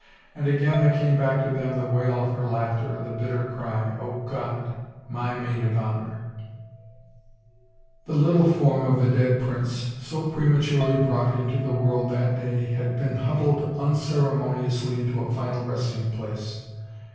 And again there came back to them the wail of her laughter and the bitter cry, " O God ! my maid of honor I " The little form of the dead prince, so prematurely brought into the world that day, had been huddled un ceremoniously into a final resting place.